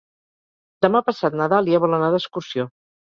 Demà passat na Dàlia vol anar d'excursió.